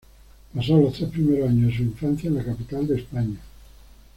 Pasó los tres primeros años de su infancia en la capital de España.